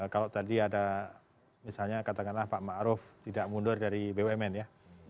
kalau tadi ada misalnya katakanlah pak ma'ruf tidak mundur dari bumn ya